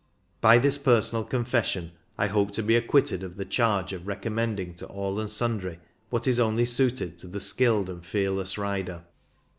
By this personal confession I hope to be acquitted of the charge of recommending to all and sundry what is only suited to the skilled and fearless rider.